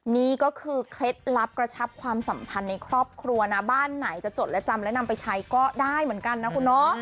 นี่ก็คือเคล็ดลับกระชับความสัมพันธ์ในครอบครัวนะบ้านไหนจะจดและจำและนำไปใช้ก็ได้เหมือนกันนะคุณเนาะ